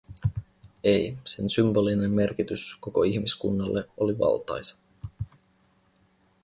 Ei, sen symbolinen merkitys koko ihmiskunnalle oli valtaisa.